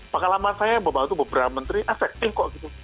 pengalaman saya yang membantu beberapa menteri efektif kok gitu